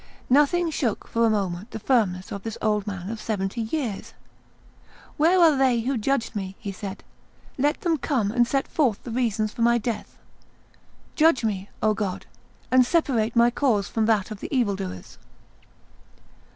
Nothing shook for a moment the firmness of this old man of seventy years. "Where are they who judged me?" he said: "let them come and set forth the reasons for my death. Judge me, O God, and separate my cause from that of the evil doers."